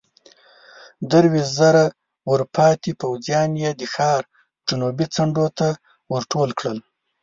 درويشت زره ورپاتې پوځيان يې د ښار جنوبي څنډو ته ورټول کړل.